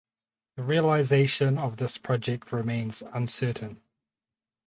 The realization of this project remains uncertain.